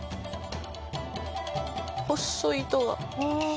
細い糸が。